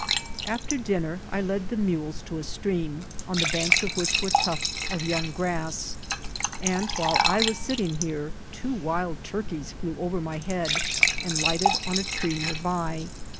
After dinner I led the mules to a stream, on the banks of which were tufto of young grass, and while I was sitting here two wild turkeys flew over my head and lighted on a tree near by.